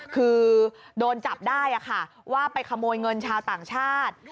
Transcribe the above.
คือโดนจับได้ว่าไปขโมยเงินชาวต่างชาติ